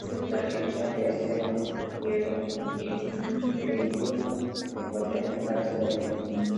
Suele estar hecha de acero, hierro fundido e incluso se encuentran ejemplares de aluminio.